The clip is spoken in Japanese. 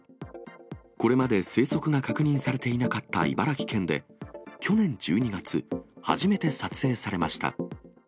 これまで生息が確認されていなかった茨城県で、去年１２月、初めて撮影されました。